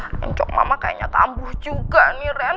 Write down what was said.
untuk mama kayaknya tambuh juga nih ren